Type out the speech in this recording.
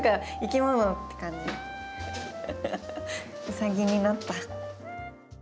うさぎになった。